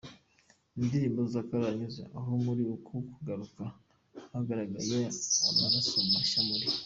indirimbo za karahanyuze aho muri uku kugaruka hagaragaye amaraso mashya muri.